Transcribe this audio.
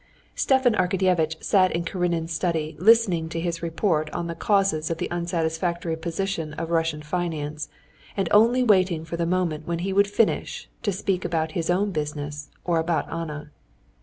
Stepan Arkadyevitch sat in Karenin's study listening to his report on the causes of the unsatisfactory position of Russian finance, and only waiting for the moment when he would finish to speak about his own business or about Anna.